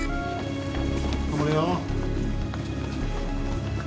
頑張れよ。